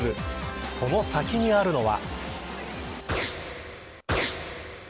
その先にあるのは。